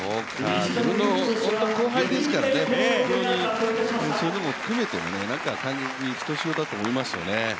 自分の後輩ですからねそういうのも含めてね、感激ひとしおだと思いますよね。